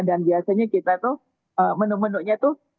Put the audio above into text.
dan biasanya kita tuh menu menunya tuh